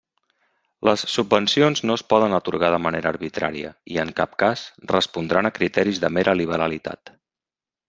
Les subvencions no es poden atorgar de manera arbitrària i, en cap cas, respondran a criteris de mera liberalitat.